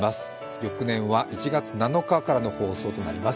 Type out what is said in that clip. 翌年は１月７日からの放送になります。